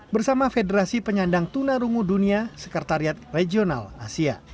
bersama federasi penyandang tuna rungu dunia sekretariat regional asia